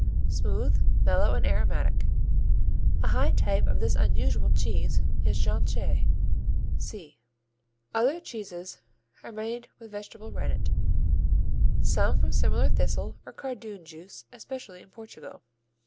Smooth, mellow and aromatic. A high type of this unusual cheese is Jonchée (see). Other cheeses are made with vegetable rennet, some from similar thistle or cardoon juice, especially in Portugal.